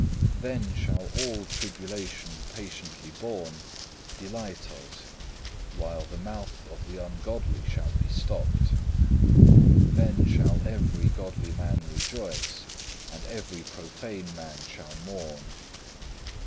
Then shall all tribulation patiently borne delight us, while the mouth of the ungodly shall be stopped. Then shall every godly man rejoice, and every profane man shall mourn.